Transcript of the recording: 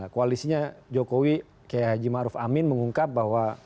koalisinya jokowi kayak haji ma'ruf amin mengungkap bahwa